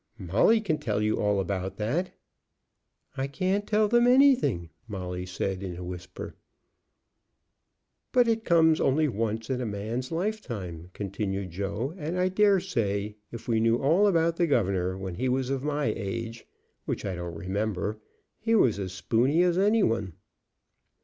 "Molly can tell you all about that." "I can't tell them anything," Molly said in a whisper. "But it comes only once in a man's lifetime," continued Joe; "and I dare say, if we knew all about the governor when he was of my age, which I don't remember, he was as spooney as any one."